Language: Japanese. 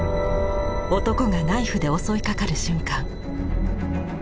男がナイフで襲いかかる瞬間。